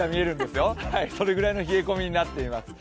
それぐらいの冷え込みになってます。